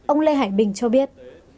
ông lê hải bình cho biết